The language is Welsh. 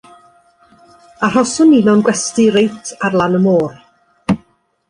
Arhoson ni mewn gwesty reit ar lan y môr.